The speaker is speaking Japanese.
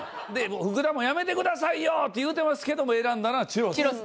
福田も「やめてくださいよ」って言うてますけども選んだのはチュロス。